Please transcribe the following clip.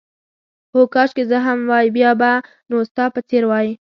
هو، کاشکې زه هم وای، بیا به نو ستا په څېر وای.